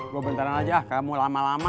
gue bentaran aja kamu lama lama